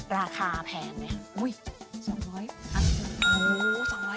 ราคาแพงเนี่ยอุ้ย๒๐๐อัพเลย